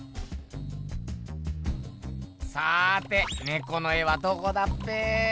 さて猫の絵はどこだっぺ。